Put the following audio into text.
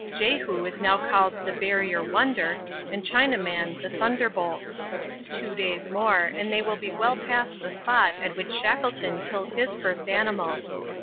Jehu is now called 'The Barrier Wonder' and Chinaman 'The Thunderbolt.' Two days more and they will be well past the spot at which Shackleton killed his first animal.